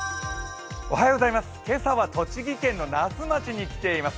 今朝は栃木県の那須町に来ています。